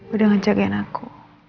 udah ngejagain aku